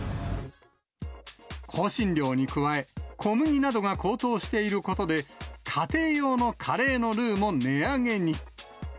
香辛料に加え、小麦などが高騰していることで、家庭用のカレーのルウも値上げに。